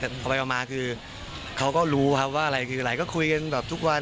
เอาไปเอามาคือเขาก็รู้ครับว่าอะไรก็คุยกันแบบทุกวัน